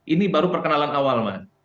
ini baru perkenalan awal mas